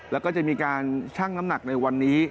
แล้วก็จะมีการชั่งน้ำหนักในวันนี้